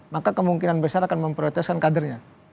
maka kemungkinan besar akan memprioritaskan kadernya